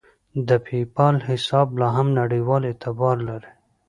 د پیپال حساب لاهم نړیوال اعتبار لري.